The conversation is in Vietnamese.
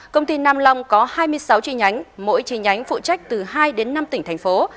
công ty nam long có hai mươi sáu chi nhánh mỗi chi nhánh phụ trách từ hai đến năm tỉnh thành phố